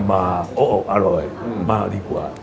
มากอร่อยมาดีกว่า